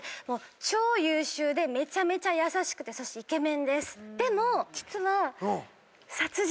超優秀でめちゃめちゃ優しくてそしてイケメンです。